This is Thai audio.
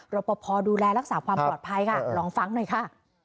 ปภดูแลรักษาความปลอดภัยค่ะลองฟังหน่อยค่ะ